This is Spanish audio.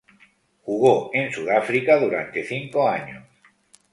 Jugó en Sudáfrica durante cinco años.